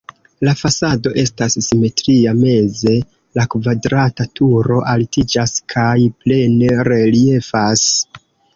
La fasado estas simetria, meze la kvadrata turo altiĝas kaj plene reliefas.